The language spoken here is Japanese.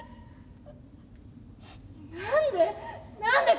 何で？